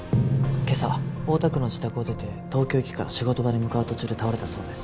今朝大田区の自宅を出て東京駅から仕事場に向かう途中で倒れたそうです